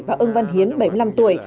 và ưng văn hiến bảy mươi năm tuổi